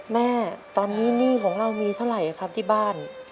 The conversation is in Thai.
แม่ตอนนี้หนี้ของเรามีเท่าไหร่ครับที่บ้าน